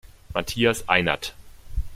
Matthias Einert